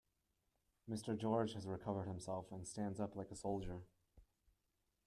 Mr. George has recovered himself and stands up like a soldier.